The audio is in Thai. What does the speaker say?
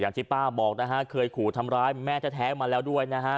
ที่ป้าบอกนะฮะเคยขู่ทำร้ายแม่แท้มาแล้วด้วยนะฮะ